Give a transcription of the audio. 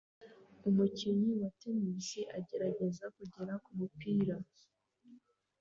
Umukinnyi wa Tennis agerageza kugera kumupira